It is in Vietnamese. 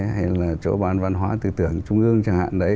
hay là chỗ bán văn hóa tư tưởng trung ương chẳng hạn đấy